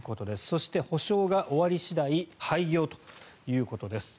そして、補償が終わり次第廃業ということです。